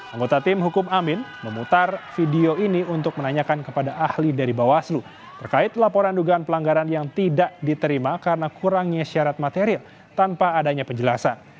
anggota tim hukum amin memutar video ini untuk menanyakan kepada ahli dari bawaslu terkait laporan dugaan pelanggaran yang tidak diterima karena kurangnya syarat material tanpa adanya penjelasan